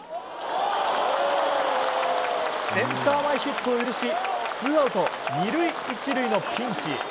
センター前ヒットを許しツーアウト２塁１塁のピンチ。